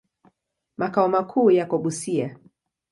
Makao makuu yako Busia.